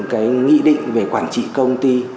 cái nghị định về quản trị công ty